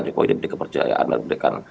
jokowi diberikan kepercayaan diberikan